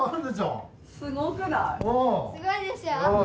すごいでしょう？